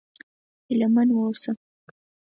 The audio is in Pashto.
هيله من و اوسه!